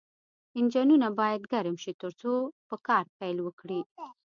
انجنونه باید ګرم شي ترڅو په کار پیل وکړي